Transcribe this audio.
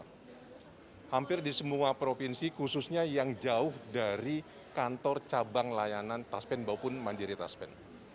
kami berpikir bahwa kita harus memiliki kondisi yang berkualitas kebanyakan dari provinsi khususnya yang jauh dari kantor cabang layanan taspen bahupun mandiri taspen